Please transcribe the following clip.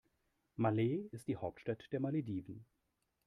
Malé ist die Hauptstadt der Malediven.